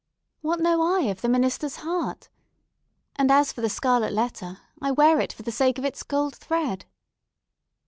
What know I of the minister's heart? And as for the scarlet letter, I wear it for the sake of its gold thread."